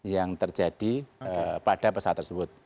yang terjadi pada pesawat tersebut